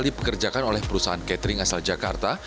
dipekerjakan oleh perusahaan catering asal jakarta